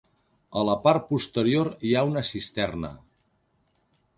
A la part posterior hi ha una cisterna.